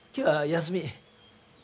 休み？